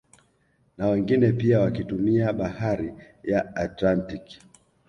Na wengine pia wakitumia bahari ya Atlantiki